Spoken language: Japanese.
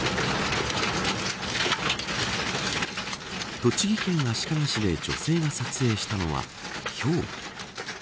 栃木県足利市で女性が撮影したのは、ひょう。